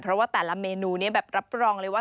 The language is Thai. เพราะว่าแต่ละเมนูนี้แบบรับรองเลยว่า